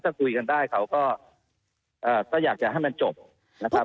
ถ้าคุยกันได้เขาก็อยากจะให้มันจบนะครับ